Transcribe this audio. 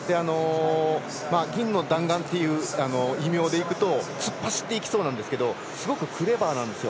銀の弾丸という異名でいくと突っ走っていきそうなんですけどすごくクレバーなんですよ。